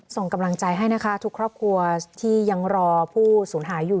ส่งกำลังใจให้นะคะทุกครอบครัวที่ยังรอผู้สูญหายอยู่